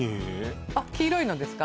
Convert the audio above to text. あっ黄色いのですか？